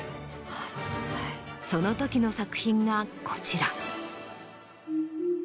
そのときの作品がこちら。